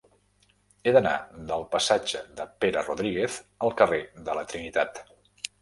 He d'anar del passatge de Pere Rodríguez al carrer de la Trinitat.